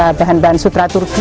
dari bahan bahan turki